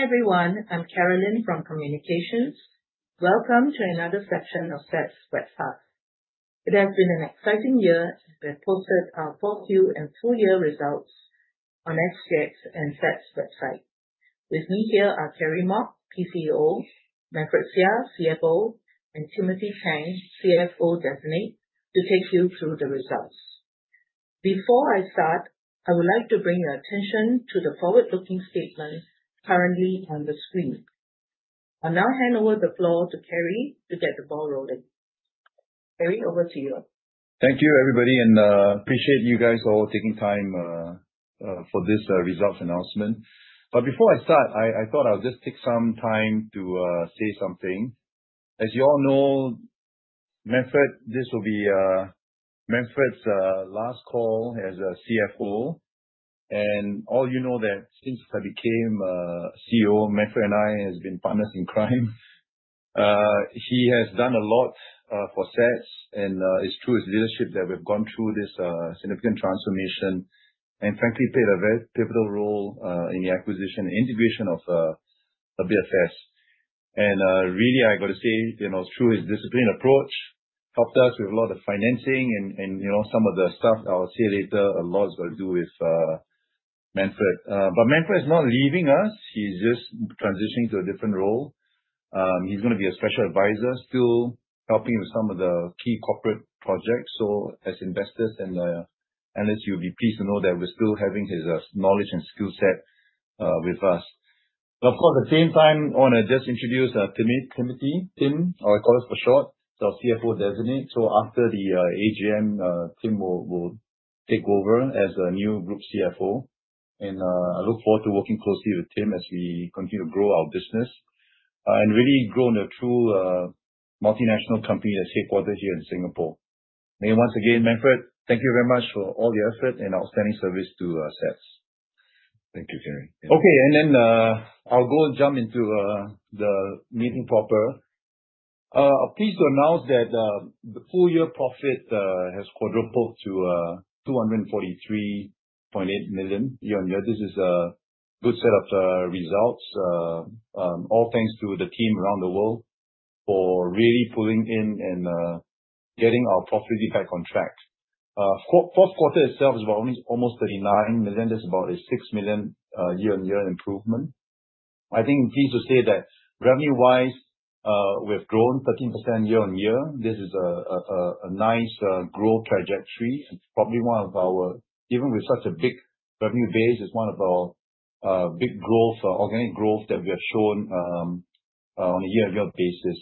Hi everyone, I'm Carolyn from Communications. Welcome to another section of SATS webcast. It has been an exciting year as we have posted our 4Q and full-year results on SGX and SATS website. With me here are Kerry Mok, PCEO, Manfred Seah, CFO, and Timothy Tang, CFO Designate, to take you through the results. Before I start, I would like to bring your attention to the forward-looking statement currently on the screen. I'll now hand over the floor to Kerry to get the ball rolling. Kerry, over to you. Thank you, everybody, and I appreciate you guys all taking time for this results announcement. Before I start, I thought I would just take some time to say something. As you all know, Manfred, this will be Manfred's last call as CFO. And all you know that since I became CEO, Manfred and I have been partners in crime. He has done a lot for SATS, and it is through his leadership that we have gone through this significant transformation and, frankly, played a very pivotal role in the acquisition and integration of WFS. I got to say, it is through his disciplined approach, helped us with a lot of the financing and some of the stuff I will say later, a lot has got to do with Manfred. Manfred is not leaving us. He is just transitioning to a different role. He's going to be a special advisor, still helping with some of the key corporate projects. As investors and analysts, you'll be pleased to know that we're still having his knowledge and skill set with us. Of course, at the same time, I want to just introduce Timothy, Tim, or I call us for short, so CFO Designate. After the AGM, Tim will take over as a new group CFO. I look forward to working closely with Tim as we continue to grow our business and really grow into a true multinational company that's headquartered here in Singapore. Once again, Manfred, thank you very much for all your effort and outstanding service to SATS. Thank you, Kerry. Okay, and then I'll go jump into the meeting proper. Pleased to announce that the full-year profit has quadrupled to 243.8 million year-on-year. This is a good set of results, all thanks to the team around the world for really pulling in and getting our profit back on track. Fourth quarter itself is about almost 39 million. That's about a 6 million year-on-year improvement. I think I'm pleased to say that revenue-wise, we've grown 13% year-on-year. This is a nice growth trajectory. Probably one of our, even with such a big revenue base, it's one of our big growth, organic growth that we have shown on a year-on-year basis.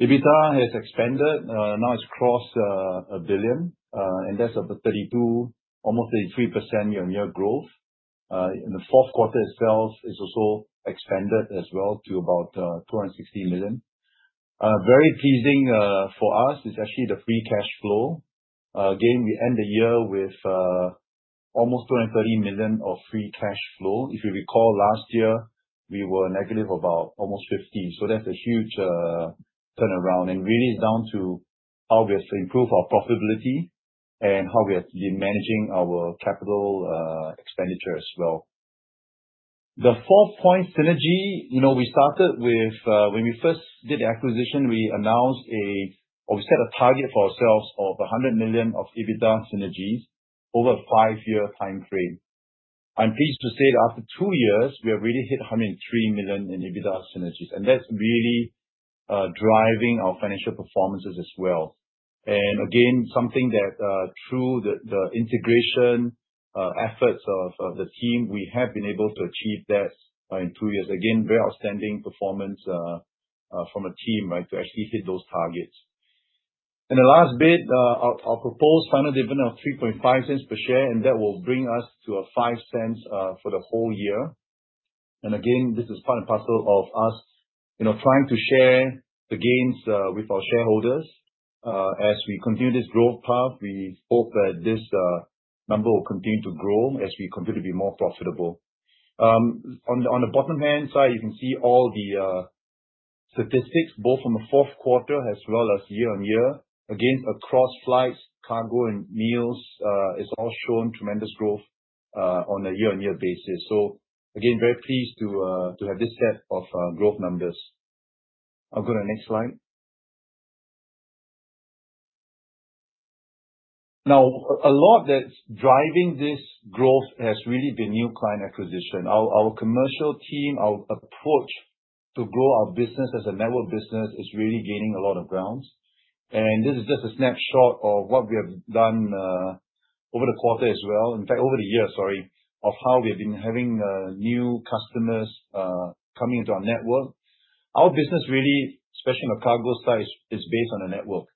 EBITDA has expanded. Now it's crossed 1 billion, and that's almost 33% year-on-year growth. In the fourth quarter itself, it's also expanded as well to about 260 million. Very pleasing for us is actually the free cash flow. Again, we end the year with almost 230 million of free cash flow. If you recall, last year, we were negative about almost 50 million. That is a huge turnaround. It is really down to how we have improved our profitability and how we have been managing our capital expenditure as well. The four-point synergy we started with when we first did the acquisition, we announced a, or we set a target for ourselves of 100 million of EBITDA synergies over a five-year time frame. I am pleased to say that after two years, we have really hit 103 million in EBITDA synergies. That is really driving our financial performances as well. Again, something that through the integration efforts of the team, we have been able to achieve that in two years. Again, very outstanding performance from a team to actually hit those targets. The last bit, I'll propose final dividend of 0.035 per share, and that will bring us to 0.05 for the whole year. This is part and parcel of us trying to share the gains with our shareholders. As we continue this growth path, we hope that this number will continue to grow as we continue to be more profitable. On the bottom-hand side, you can see all the statistics, both from the fourth quarter as well as year-on-year. Across flights, cargo, and meals, it's all shown tremendous growth on a year-on-year basis. Very pleased to have this set of growth numbers. I'll go to the next slide. Now, a lot that's driving this growth has really been new client acquisition. Our commercial team, our approach to grow our business as a network business is really gaining a lot of ground. This is just a snapshot of what we have done over the quarter as well, in fact, over the year, sorry, of how we have been having new customers coming into our network. Our business, really, especially on the cargo side, is based on a network.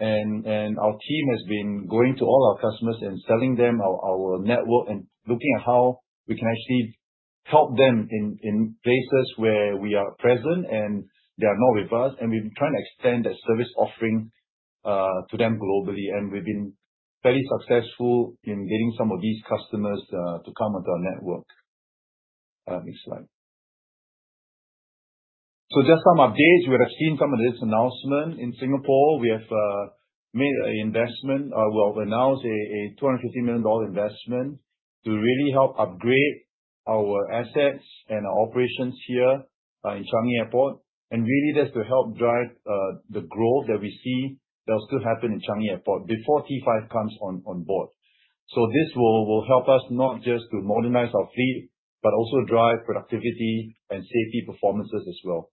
Our team has been going to all our customers and selling them our network and looking at how we can actually help them in places where we are present and they are not with us. We have been trying to extend that service offering to them globally. We have been fairly successful in getting some of these customers to come into our network. Next slide. Just some updates. We have seen some of this announcement in Singapore. We have made an investment. We'll announce a 250 million dollar investment to really help upgrade our assets and our operations here in Changi Airport. That is to help drive the growth that we see that will still happen in Changi Airport before T5 comes on board. This will help us not just to modernize our fleet, but also drive productivity and safety performances as well.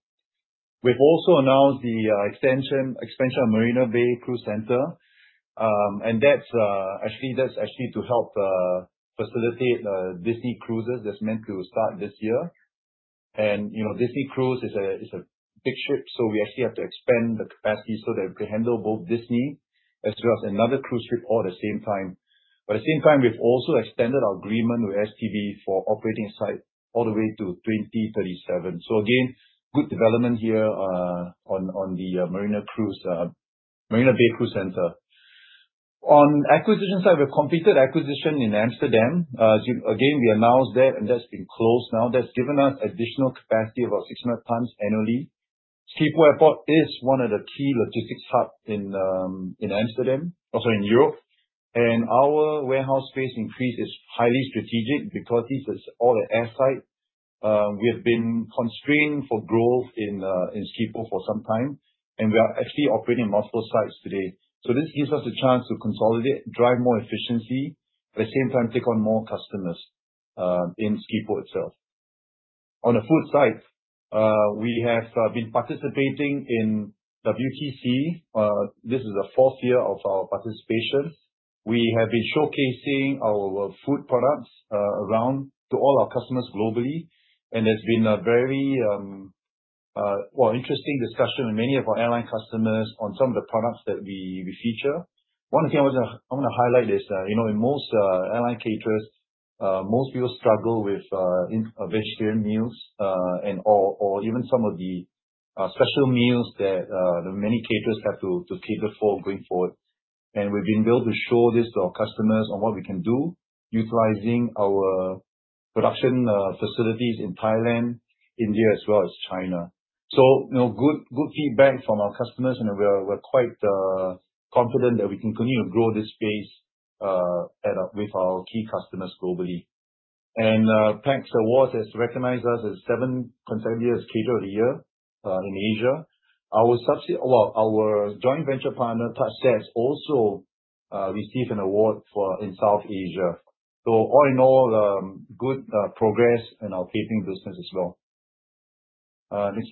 We've also announced the expansion of Marina Bay Cruise Center. Actually, that is to help facilitate Disney Cruise that is meant to start this year. Disney Cruise is a big ship, so we actually have to expand the capacity so that we can handle both Disney as well as another cruise ship all at the same time. At the same time, we've also extended our agreement with STB for operating site all the way to 2037. Again, good development here on the Marina Bay Cruise Center. On the acquisition side, we have completed acquisition in Amsterdam. We announced that, and that has been closed now. That has given us additional capacity of about 600 tons annually. Schiphol Airport is one of the key logistics hubs in Amsterdam, also in Europe. Our warehouse space increase is highly strategic because this is all an airside. We have been constrained for growth in Schiphol for some time, and we are actually operating multiple sites today. This gives us a chance to consolidate, drive more efficiency, at the same time, take on more customers in Schiphol itself. On the food side, we have been participating in WTC. This is the fourth year of our participation. We have been showcasing our food products around to all our customers globally. There has been a very interesting discussion with many of our airline customers on some of the products that we feature. One thing I want to highlight is in most airline caterers, most people struggle with vegetarian meals and/or even some of the special meals that many caterers have to cater for going forward. We have been able to show this to our customers on what we can do utilizing our production facilities in Thailand, India, as well as China. Good feedback from our customers, and we are quite confident that we can continue to grow this space with our key customers globally. PAX Awards has recognized us as seven consecutive caterers of the year in Asia. Our joint venture partner, TajSATS, has also received an award in South Asia. All in all, good progress in our catering business as well. Next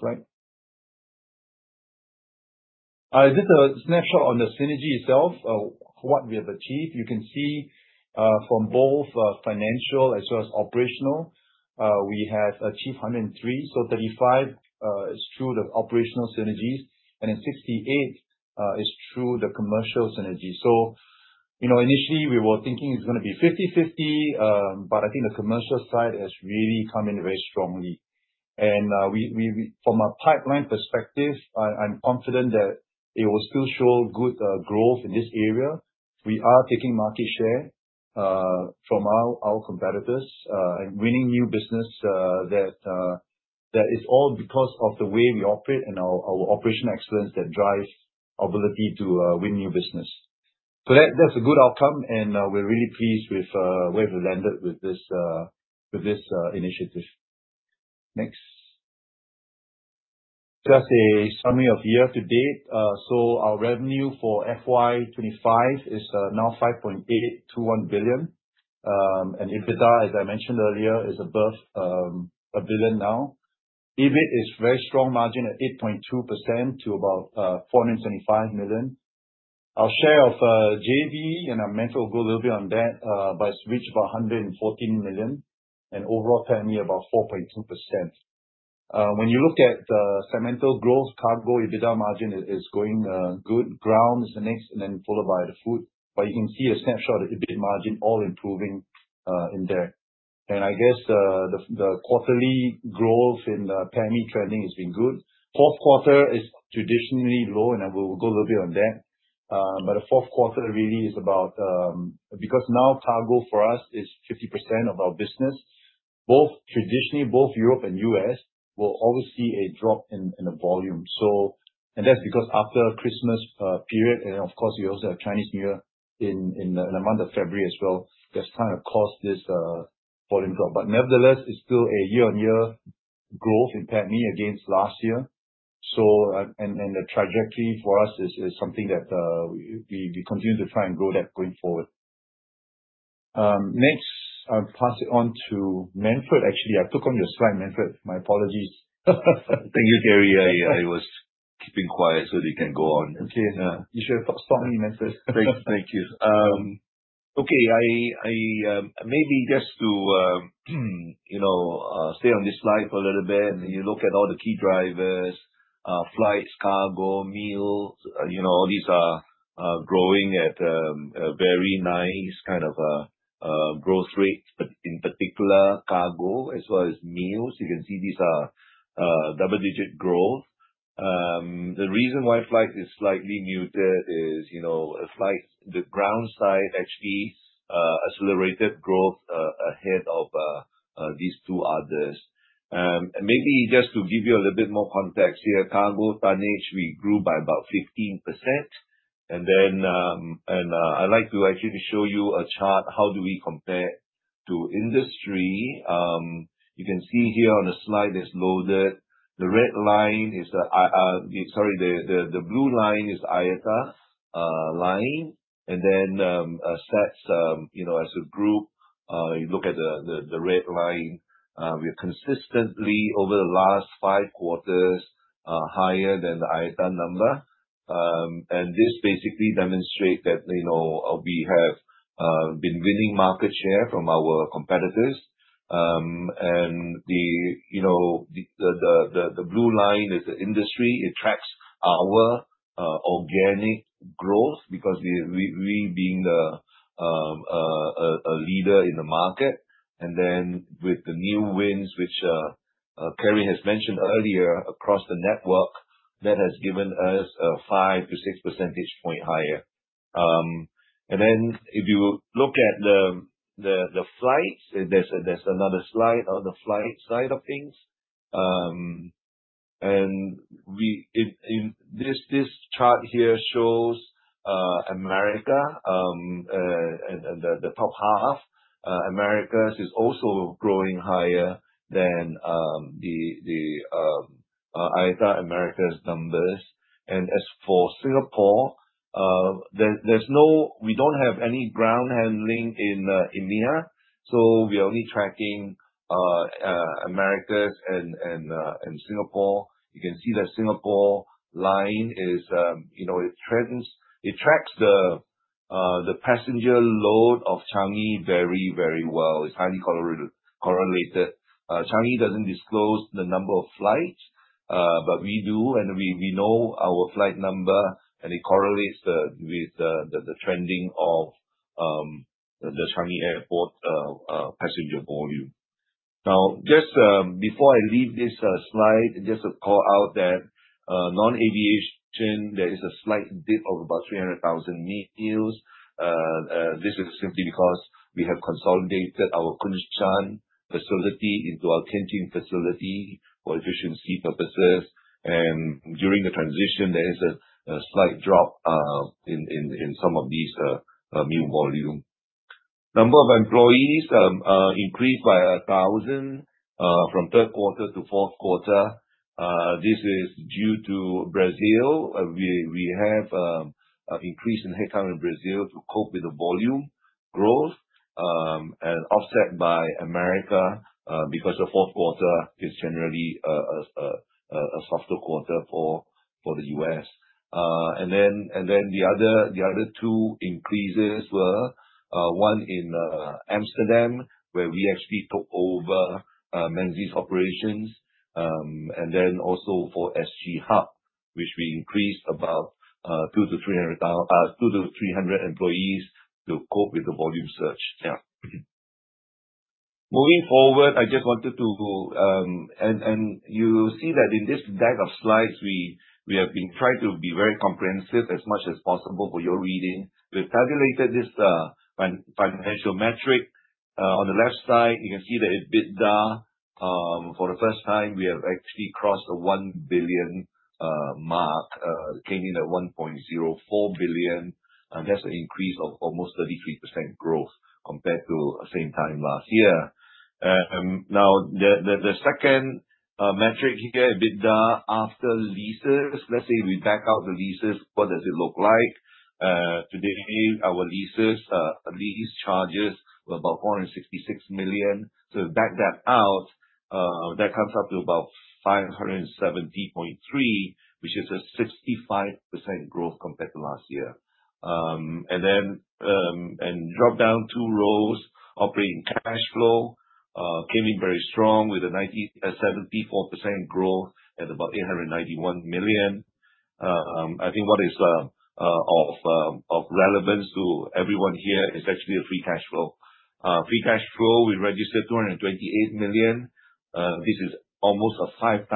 slide. This is a snapshot on the synergy itself, what we have achieved. You can see from both financial as well as operational, we have achieved 103. So 35 is through the operational synergies, and then 68 is through the commercial synergy. Initially, we were thinking it's going to be 50-50, but I think the commercial side has really come in very strongly. From a pipeline perspective, I'm confident that it will still show good growth in this area. We are taking market share from our competitors and winning new business. That is all because of the way we operate and our operational excellence that drives our ability to win new business. That's a good outcome, and we're really pleased with where we've landed with this initiative. Next. Just a summary of year to date. Our revenue for FY2025 is now 5.821 billion. EBITDA, as I mentioned earlier, is above 1 billion now. EBIT is very strong margin at 8.2% to about 475 million. Our share of JV, and our mentor will go a little bit on that, but it's reached about 114 million. Overall, per me about 4.2%. When you look at the segmental growth, cargo, EBITDA margin is going good. Ground is the next, and then followed by the food. You can see a snapshot of EBIT margin all improving in there. I guess the quarterly growth in the per me trending has been good. Fourth quarter is traditionally low, and we'll go a little bit on that. The fourth quarter really is about because now cargo for us is 50% of our business. Traditionally, both Europe and the U.S. will always see a drop in the volume. That is because after the Christmas period, and of course, we also have Chinese New Year in the month of February as well, that has kind of caused this volume drop. Nevertheless, it is still a year-on-year growth in per me against last year. The trajectory for us is something that we continue to try and grow going forward. Next, I will pass it on to Manfred. Actually, I took on your slide, Manfred. My apologies. Thank you, Kerry. I was keeping quiet so that you can go on. Okay. You should have stopped me, Manfred. Thank you. Okay. Maybe just to stay on this slide for a little bit. You look at all the key drivers, flights, cargo, meals, all these are growing at a very nice kind of growth rate. In particular, cargo as well as meals, you can see these are double-digit growth. The reason why flights is slightly muted is the ground side actually accelerated growth ahead of these two others. Maybe just to give you a little bit more context here, cargo tonnage, we grew by about 15%. I'd like to actually show you a chart. How do we compare to industry? You can see here on the slide is loaded. The red line is the, sorry, the blue line is IATA line. Then SATS, as a group, you look at the red line, we are consistently over the last five quarters higher than the IATA number. This basically demonstrates that we have been winning market share from our competitors. The blue line is the industry. It tracks our organic growth because we, being the leader in the market. With the new wins, which Kerry has mentioned earlier across the network, that has given us a 5%-6% point higher. If you look at the flights, there is another slide on the flight side of things. This chart here shows America, and the top half, America is also growing higher than the IATA America's numbers. As for Singapore, we do not have any ground handling in EMEA. We are only tracking America's and Singapore. You can see that Singapore line tracks the passenger load of Changi very, very well. It is highly correlated. Changi does not disclose the number of flights, but we do. We know our flight number, and it correlates with the trending of the Changi Airport passenger volume. Just before I leave this slide, just to call out that non-aviation, there is a slight dip of about 300,000 meals. This is simply because we have consolidated our Kunshan facility into our Tianjin facility for efficiency purposes. During the transition, there is a slight drop in some of these meal volume. Number of employees increased by 1,000 from third quarter to fourth quarter. This is due to Brazil. We have an increase in headcount in Brazil to cope with the volume growth and offset by America because the fourth quarter is generally a softer quarter for the U.S. The other two increases were one in Amsterdam, where we actually took over Menzies operations. Also for SG Hub, which we increased about 200-300 employees to cope with the volume surge. Yeah. Moving forward, I just wanted to, and you see that in this deck of slides, we have been trying to be very comprehensive as much as possible for your reading. We have tabulated this financial metric. On the left side, you can see that EBITDA, for the first time, we have actually crossed the 1 billion mark, came in at 1.04 billion. That is an increase of almost 33% growth compared to the same time last year. Now, the second metric here, EBITDA after leases, let's say we back out the leases, what does it look like? Today, our leases charges were about 466 million. If we back that out, that comes up to about 570.3 million, which is a 65% growth compared to last year. Drop down two rows, operating cash flow came in very strong with a 74% growth at about 891 million. I think what is of relevance to everyone here is actually the free cash flow. Free cash flow, we registered 228 million. This is almost a 5%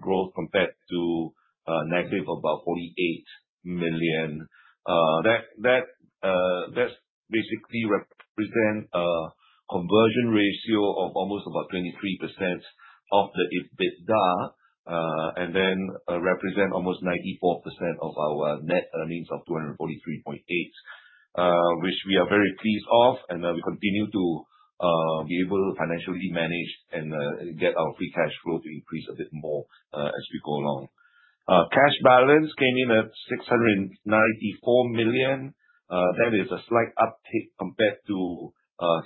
growth compared to negative about 48 million. That basically represents a conversion ratio of almost about 23% of the EBITDA and then represents almost 94% of our net earnings of 243.8 million, which we are very pleased of. We continue to be able to financially manage and get our free cash flow to increase a bit more as we go along. Cash balance came in at 694 million. That is a slight uptick compared to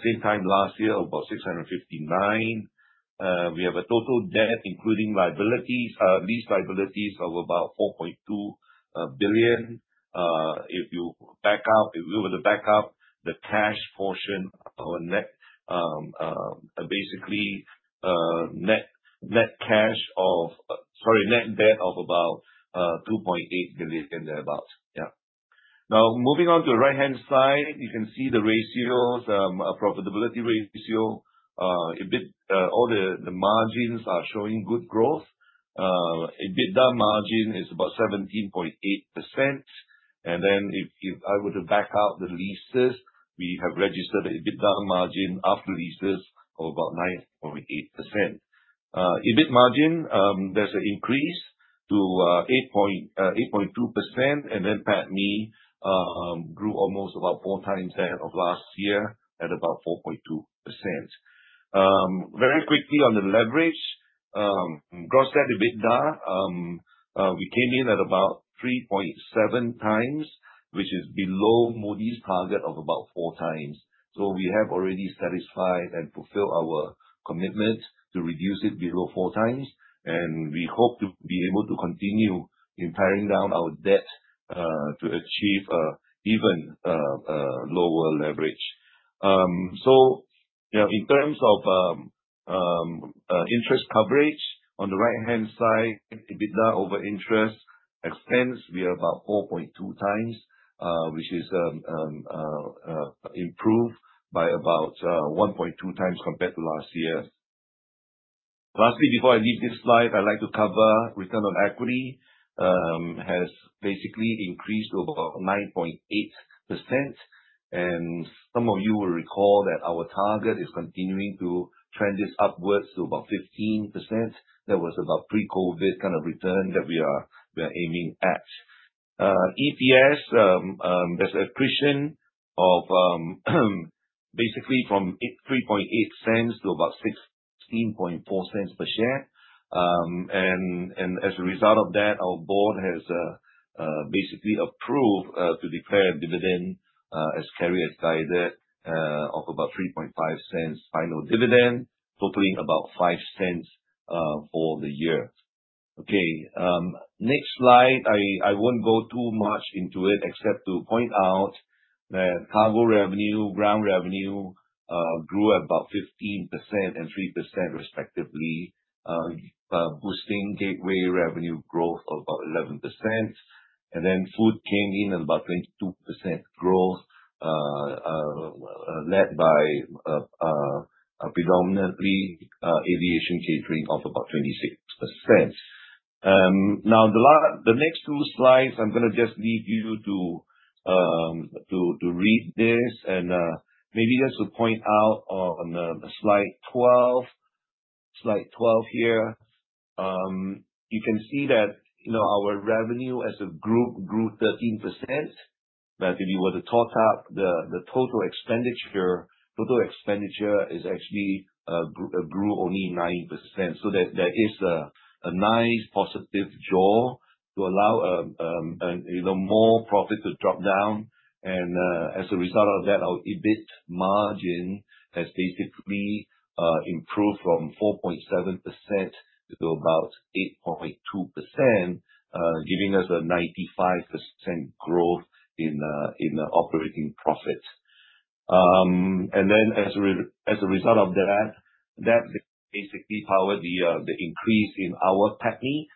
same time last year, about 659 million. We have a total debt, including lease liabilities, of about 4.2 billion. If you back out, if we were to back out the cash portion, basically net cash of, sorry, net debt of about 2.8 billion thereabouts. Yeah. Now, moving on to the right-hand side, you can see the ratios, profitability ratio. All the margins are showing good growth. EBITDA margin is about 17.8%. If I were to back out the leases, we have registered the EBITDA margin after leases of about 9.8%. EBIT margin, there is an increase to 8.2%. PAT me grew almost about four times that of last year at about 4.2%. Very quickly on the leverage, gross net EBITDA, we came in at about 3.7x, which is below Moody's target of about four times. We have already satisfied and fulfilled our commitment to reduce it below four times. We hope to be able to continue in paring down our debt to achieve even lower leverage. In terms of interest coverage, on the right-hand side, EBITDA over interest expense, we are about 4.2x, which is improved by about 1.2x compared to last year. Lastly, before I leave this slide, I'd like to cover return on equity has basically increased to about 9.8%. Some of you will recall that our target is continuing to trend this upwards to about 15%. That was about pre-COVID kind of return that we are aiming at. EPS, there's an accretion of basically from 0.038 to about 0.164 per share. As a result of that, our board has basically approved to declare dividend as Kerry has guided of about 0.035 final dividend, totaling about 0.05 for the year. Okay. Next slide. I won't go too much into it except to point out that cargo revenue, ground revenue grew at about 15% and 3% respectively, boosting gateway revenue growth of about 11%. Food came in at about 22% growth, led by predominantly aviation catering of about 26%. The next two slides, I'm going to just leave you to read this. Maybe just to point out on slide 12, slide 12 here, you can see that our revenue as a group grew 13%. If you were to total up the total expenditure, total expenditure actually grew only 9%. There is a nice positive jaw to allow more profit to drop down. As a result of that, our EBIT margin has basically improved from 4.7% to about 8.2%, giving us a 95% growth in operating profit. Then as a result of that, that basically powered the increase in our per me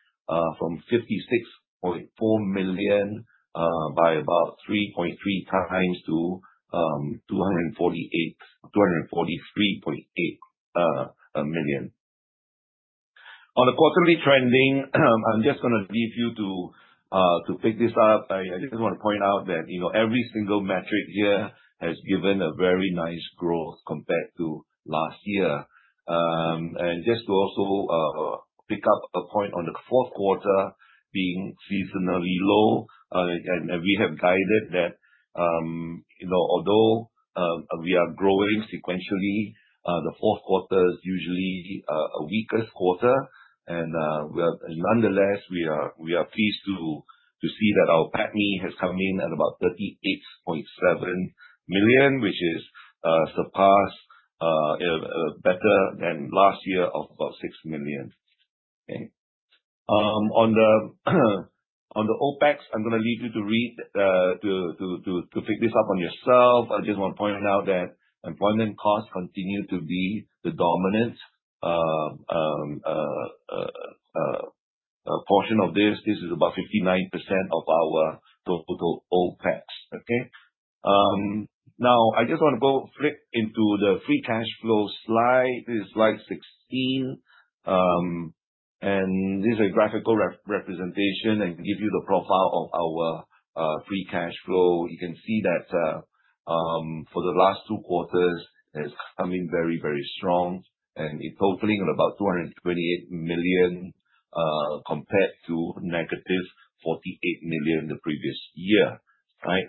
from 56.4 million by about 3.3x to 243.8 million. On the quarterly trending, I am just going to leave you to pick this up. I just want to point out that every single metric here has given a very nice growth compared to last year. Just to also pick up a point on the fourth quarter being seasonally low. We have guided that although we are growing sequentially, the fourth quarter is usually a weaker quarter. Nonetheless, we are pleased to see that our per me has come in at about 38.7 million, which is surpassed, better than last year of about SGD 6 million. Okay. On the OpEx, I am going to leave you to read to pick this up on yourself. I just want to point out that employment costs continue to be the dominant portion of this. This is about 59% of our total OpEx. Okay. Now, I just want to go flip into the free cash flow slide. This is slide 16. And this is a graphical representation and give you the profile of our free cash flow. You can see that for the last two quarters, it's coming very, very strong. And it's totaling at about 228 million compared to -48 million the previous year. Right.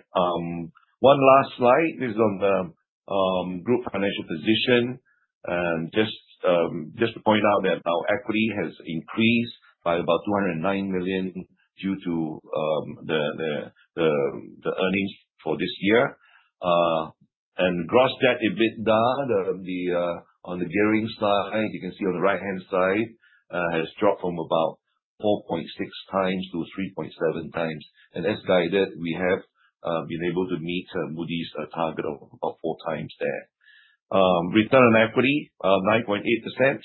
One last slide. This is on the group financial position. And just to point out that our equity has increased by about 209 million due to the earnings for this year. And gross debt EBITDA on the gearing side, you can see on the right-hand side has dropped from about 4.6x to 3.7x. As guided, we have been able to meet Moody's target of about four times there. Return on equity, 9.8%.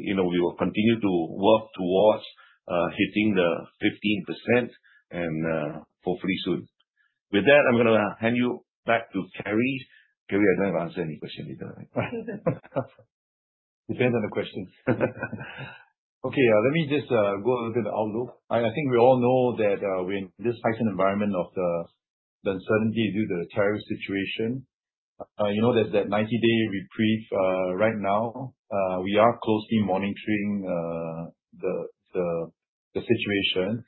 We will continue to work towards hitting the 15% and hopefully soon. With that, I am going to hand you back to Kerry. Kerry, I do not have to answer any question either. Depends on the question. Okay. Let me just go a little bit outlook. I think we all know that we're in this heightened environment of the uncertainty due to the tariff situation. There's that 90-day reprieve right now. We are closely monitoring the situation.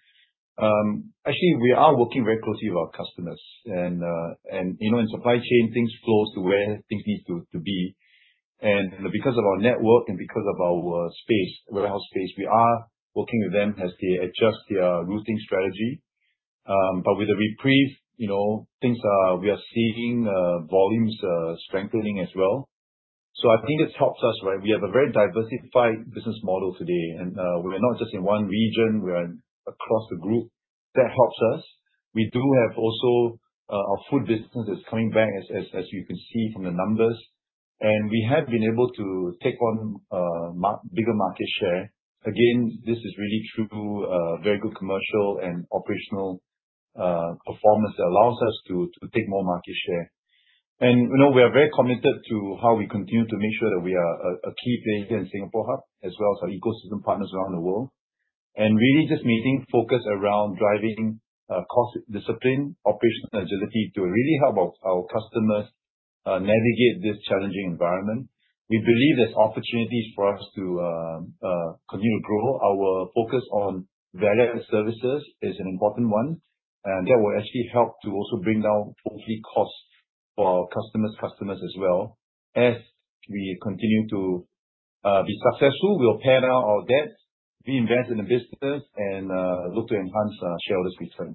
Actually, we are working very closely with our customers. In supply chain, things flow to where things need to be. Because of our network and because of our space, warehouse space, we are working with them as they adjust their routing strategy. With the reprieve, we are seeing volumes strengthening as well. I think it helps us, right? We have a very diversified business model today. We're not just in one region. We're across the group. That helps us. We do have also our food business is coming back, as you can see from the numbers. We have been able to take on bigger market share. This is really true, very good commercial and operational performance that allows us to take more market share. We are very committed to how we continue to make sure that we are a key player here in Singapore Hub, as well as our ecosystem partners around the world. We are really just maintaining focus around driving cost discipline, operational agility to really help our customers navigate this challenging environment. We believe there are opportunities for us to continue to grow. Our focus on value-added services is an important one. That will actually help to also bring down hopefully costs for our customers' customers as well. As we continue to be successful, we will pare down our debt, reinvest in the business, and look to enhance shareholders' return.